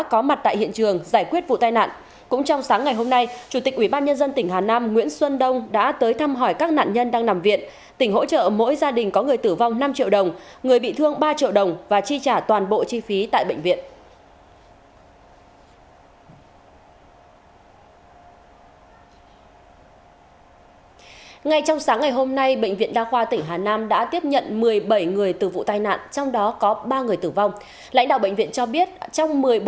vâng hiện tại thì tôi đang có mặt tại bệnh viện đa khoa tỉnh hà nam và theo như đại diện của bệnh viện đa khoa tỉnh hà nam cho biết thì